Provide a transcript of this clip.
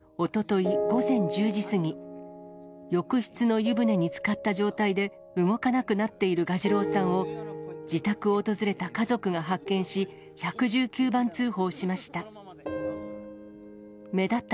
捜査関係者によりますと、おととい午前１０時過ぎ、浴室の湯船につかった状態で、動かなくなっている蛾次郎さんを、自宅を訪れた家族が発見し、１１９番通報しました。